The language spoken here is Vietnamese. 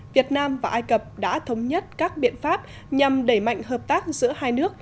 việt nam và ai cập đã thống nhất các biện pháp nhằm đẩy mạnh hợp tác giữa hai nước